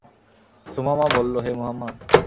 সুমামা বলল, হে মুহাম্মদ!